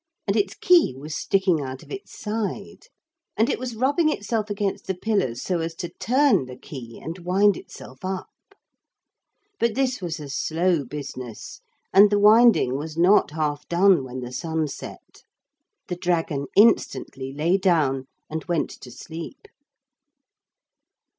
And its key was sticking out of its side. And it was rubbing itself against the pillars so as to turn the key and wind itself up. But this was a slow business and the winding was not half done when the sun set. The dragon instantly lay down and went to sleep.